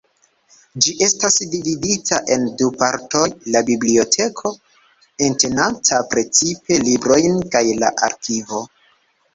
Ĝi estas dividita en du partoj: la biblioteko, entenanta precipe librojn, kaj la arkivo.